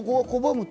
拒むと。